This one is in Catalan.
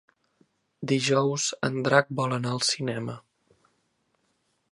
Dijous en Drac vol anar al cinema.